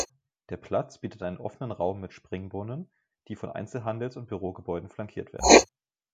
Der Platz bietet einen offenen Raum mit Springbrunnen, die von Einzelhandels- und Bürogebäuden flankiert werden.